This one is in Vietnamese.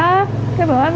ở trên tròi trận